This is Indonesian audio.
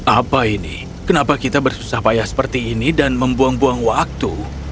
apa ini kenapa kita bersusah payah seperti ini dan membuang buang waktu